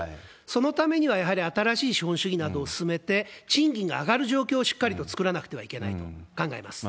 そのためにはやはり新しい資本主義などを進めて、賃金が上がる状況をしっかりと作らなくてはいけないと考えます。